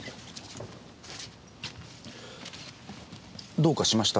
どうかしました？